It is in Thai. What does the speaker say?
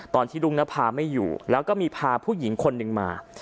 ตอนที่รุ่งนภาไม่อยู่แล้วก็มีพาผู้หญิงคนหนึ่งมา